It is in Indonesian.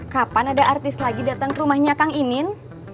kapan ada artis lagi datang ke rumahnya kang imin